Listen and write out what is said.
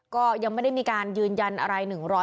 ก็ยังไม่ได้มีการยืนยันอะไร